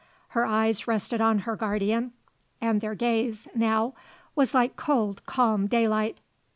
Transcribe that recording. Her eyes rested on her guardian and their gaze, now, was like cold, calm daylight.